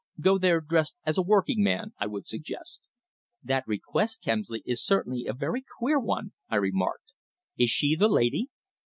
Go there dressed as a working man, I would suggest." "That request, Kemsley, is certainly a very queer one," I remarked. "Is she the lady?"